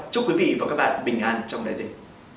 chúc quý vị và các bạn bình an trong đại dịch